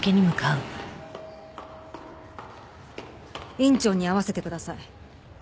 院長に会わせてください。